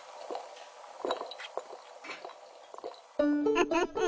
ウフフフ。